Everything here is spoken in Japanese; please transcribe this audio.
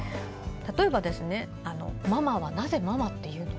例えば、ママはなぜママって言うの？